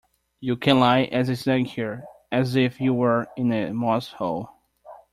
You can lie as snug here as if you were in a moss-hole.